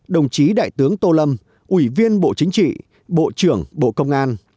đồng chí đại tướng tô lâm ủy viên bộ chính trị bộ trưởng bộ công an